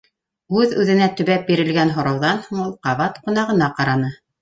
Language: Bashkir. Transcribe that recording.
- Үҙ-үҙенә төбәп бирелгән һорауҙан һуң ул ҡабат ҡунағына ҡараны.